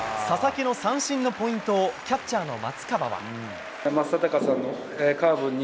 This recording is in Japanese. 佐々木の三振のポイントをキャッチャーの松川は。